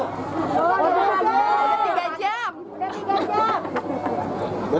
sudah tiga jam